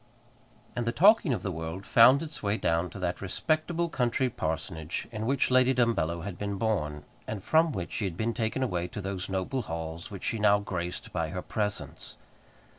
And the talking of the world found its way down to that respectable country parsonage in which Lady Dumbello had been born, and from which she had been taken away to those noble halls which she now graced by her presence.